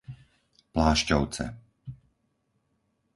Plášťovce